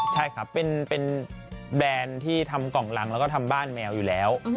ใช่ครับเป็นแบรนด์ที่ทำกล่องรังแล้วก็ทำบ้านแมวอยู่แล้ว